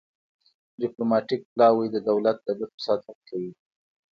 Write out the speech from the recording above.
ډیپلوماتیک پلاوی د دولت د ګټو ساتنه کوي